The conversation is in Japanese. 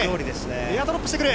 エアドロップしてくる。